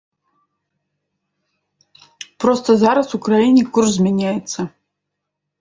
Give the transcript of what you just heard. Проста зараз у краіне курс змяняецца.